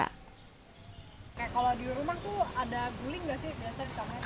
kalau di rumah tuh ada guling nggak sih